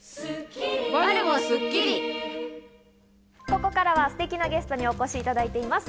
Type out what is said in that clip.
ここからはステキなゲストにお越しいただいています。